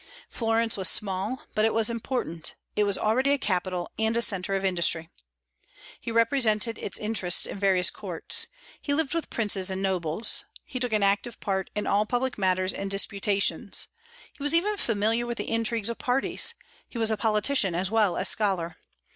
Florence was small, but it was important; it was already a capital, and a centre of industry. He represented its interests in various courts. He lived with princes and nobles. He took an active part in all public matters and disputations; he was even familiar with the intrigues of parties; he was a politician as well as scholar.